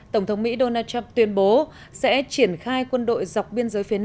tổng thống mỹ donald trump tuyên bố sẽ triển khai quân đội dọc biên giới phía nam